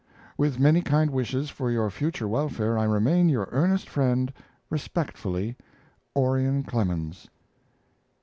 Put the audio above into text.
With many kind wishes for your future welfare, I remain your earnest friend, Respectfully, ORION CLEMENS.